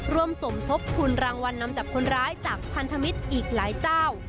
สมทบทุนรางวัลนำจับคนร้ายจากพันธมิตรอีกหลายเจ้า